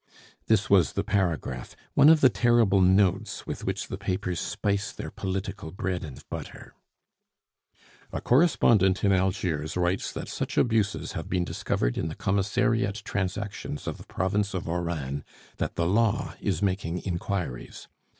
This was the paragraph, one of the terrible "notes" with which the papers spice their political bread and butter: "A correspondent in Algiers writes that such abuses have been discovered in the commissariate transactions of the province of Oran, that the Law is making inquiries.